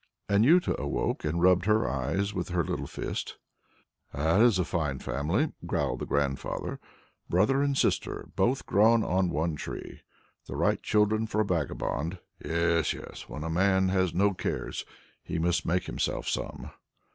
Anjuta awoke and rubbed her eyes with her little fist. "That is a fine family," growled the grandfather. "Brother and sister both grown on one tree. The right children for a vagabond. Yes, yes, when a man has no cares, he must make himself some."